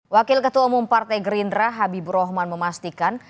wakil ketua umum partai gerindra habibur rahman memastikan